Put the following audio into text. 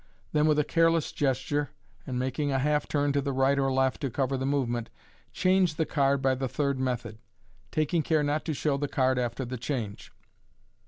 Then, with a careless gesture, and making a half turn to the right or left to cover the move ment, "change" the card by the third method (see page 30), taking care not to show the card after the change.